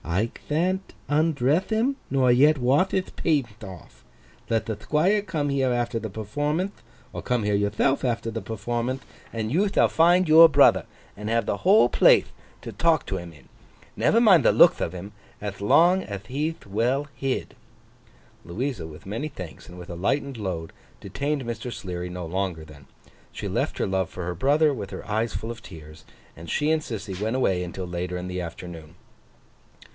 I thant undreth him, nor yet wath hith paint off. Let the Thquire come here after the performanth, or come here yourthelf after the performanth, and you thall find your brother, and have the whole plathe to talk to him in. Never mind the lookth of him, ath long ath he'th well hid.' Louisa, with many thanks and with a lightened load, detained Mr. Sleary no longer then. She left her love for her brother, with her eyes full of tears; and she and Sissy went away until later in the afternoon.